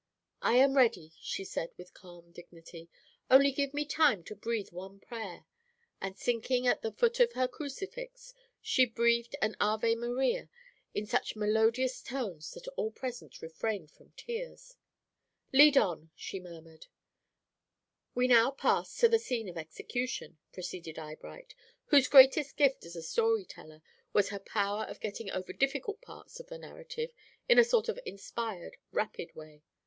"'I am ready,' she said, with calm dignity; 'only give me time to breathe one prayer,' and, sinking at the foot of her crucifix, she breathed an Ave Maria in such melodious tones that all present refrained from tears. "'Lead on,' she murmured. "We now pass to the scene of execution," proceeded Eyebright, whose greatest gift as a storyteller was her power of getting over difficult parts of the narrative in a sort of inspired, rapid way.